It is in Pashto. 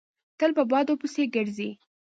تل په بدو پسې ګرځي.